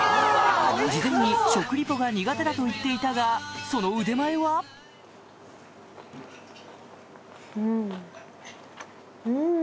事前に食リポが苦手だと言っていたがうん。